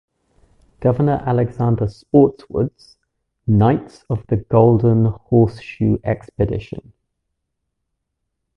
Governor Alexander Spotswood's "Knights of the Golden Horseshoe Expedition".